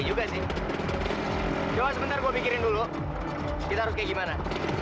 juga sih coba sebentar gue pikirin dulu kita harus kayak gimana